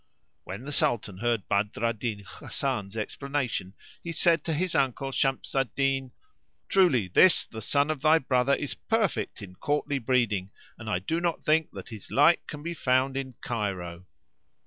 '" When the Sultan heard Badr al Din Hasan's explanation he said to his uncle, Shams al Din, "Truly this the son of thy brother is perfect in courtly breeding and I do not think that his like can be found in Cairo."